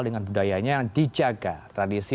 dengan budayanya dijaga tradisi